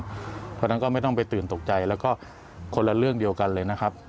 เพราะฉะนั้นก็ไม่ต้องไปตื่นตกใจแล้วก็คนละเรื่องเดียวกันเลยนะครับ